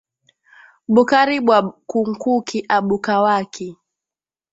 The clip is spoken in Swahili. Bukari bwa ku nkuni abukawaki